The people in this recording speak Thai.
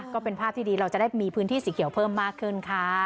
ก็เป็นภาพที่ดีเราจะได้มีพื้นที่สีเขียวเพิ่มมากขึ้นค่ะ